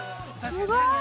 ◆すごーい。